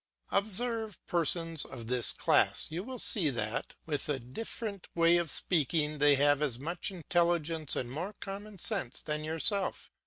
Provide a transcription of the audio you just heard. Observe persons of this class; you will see that, with a different way of speaking, they have as much intelligence and more common sense than yourself.